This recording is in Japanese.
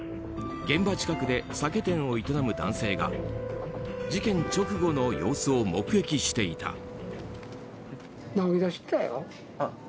現場近くで酒店を営む男性が事件直後の様子を目撃していた。